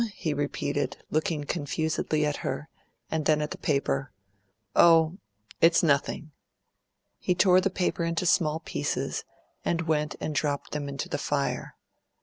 he repeated, looking confusedly at her, and then at the paper. "Oh, it's nothing." He tore the paper into small pieces, and went and dropped them into the fire.